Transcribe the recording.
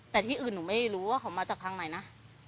แต่ที่อื่นหนูไม่รู้ว่าเขามาจากทางไหนนะ